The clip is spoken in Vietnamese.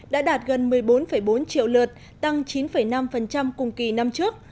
đã đạt gần một mươi bốn bốn triệu lượt tăng chín năm cùng kỳ năm trước